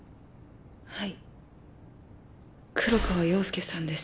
はい黒川陽介さんです